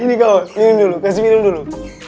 ini kau minum dulu kasih minum dulu